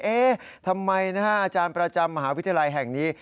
เอ๊ะทำไมนะฮะอาจารย์ประจำมหาวิทยาลัยแห่งนี้